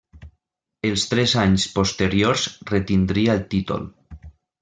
Els tres anys posteriors retindria el títol.